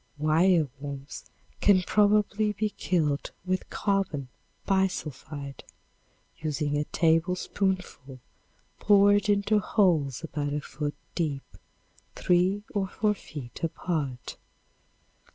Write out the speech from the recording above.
Wire worms can probably be killed with carbon bisulphide, using a tablespoonful poured into holes about a foot deep, three or four feet apart.